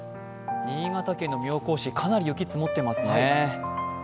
新潟県の妙高市かなり雪が積もっていますね。